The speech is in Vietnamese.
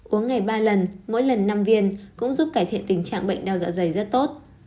uống ngày ba lần mỗi lần năm viên cũng giúp cải thiện tình trạng bệnh đau dạ dày rất tốt